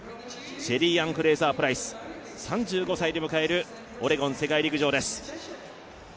シェリーアン・フレイザー・プライス３５歳で迎えるオレゴン世界陸上です。